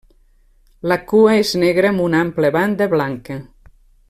La cua és negra amb una ampla banda blanca.